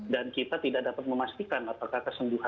dan kita tidak dapat memastikan apakah kesembuhan